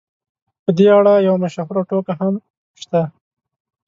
په دې اړه یوه مشهوره ټوکه هم شته.